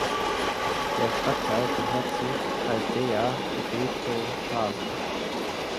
Der Stadtteil gehört zur Aldeia Beto Tasi.